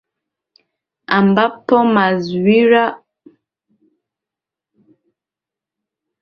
ambapo mawaziri wa ulinzi wakijadiliana hatua za kuchukua